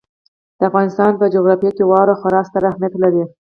د افغانستان په جغرافیه کې واوره خورا ستر اهمیت لري.